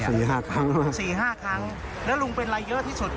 สี่ห้าครั้งสี่ห้าครั้งแล้วลุงเป็นอะไรเยอะที่สุด